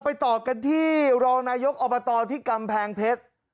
ต่อกันที่รองนายกอบตที่กำแพงเพชร